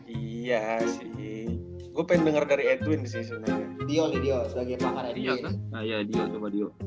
iya sih gue pengen denger dari edwin sih sebenarnya dia nih dia sebagai pakar dia